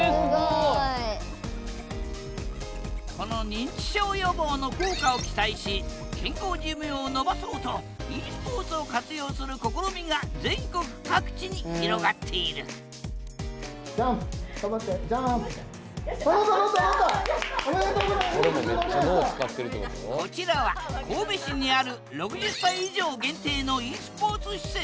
この認知症予防の効果を期待し健康寿命をのばそうとｅスポーツを活用する試みが全国各地に広がっているこちらは神戸市にある６０歳以上限定のｅスポーツ施設